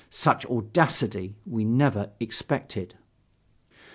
Such audacity we had never expected.